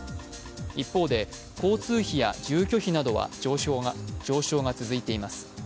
一方で、交通費や住居費などは上昇が続いています。